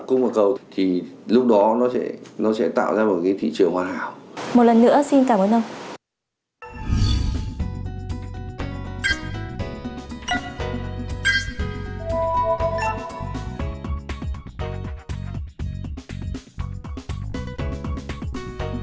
trước tiên xin cảm ơn ông